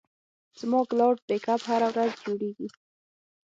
زما کلاوډ بیک اپ هره ورځ جوړېږي.